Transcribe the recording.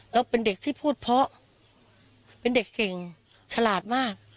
แล้วเป็นเด็กที่พูดเพราะเป็นเด็กเก่งฉลาดมาก